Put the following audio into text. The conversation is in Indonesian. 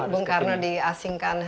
bung karno diasingkan